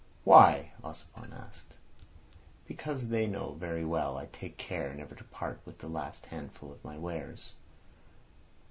"Why?" Ossipon asked. "Because they know very well I take care never to part with the last handful of my wares.